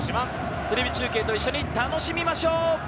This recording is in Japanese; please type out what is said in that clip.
テレビ中継と一緒に楽しみましょう！